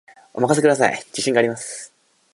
お任せください、自信があります